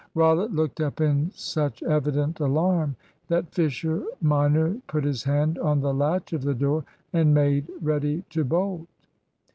Rollitt looked up in such evident alarm that Fisher major put his hand on the latch of the door, and made ready to bolt.